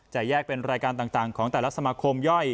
แยกเป็นรายการต่างของแต่ละสมาคมย่อย